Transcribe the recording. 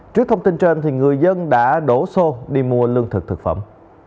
trước thông tin trên người dân đã đổ xô đi mua lương thực thực phẩm